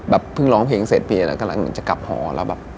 เพิ่งร้องเพลงเสร็จเปลี่ยนแล้วกำลังจะกลับหอแล้วแบบ